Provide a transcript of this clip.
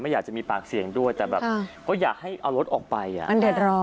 อยากจะมีปากเสียงด้วยแต่แบบก็อยากให้เอารถออกไปอ่ะมันเดือดร้อน